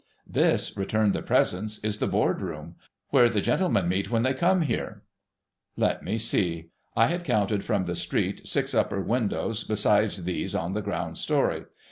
' This,' returned the presence, ' is the Board Room. Where the gentlemen meet when they come here.' Let me see. I had counted from the street six upper windows besides these on the ground story.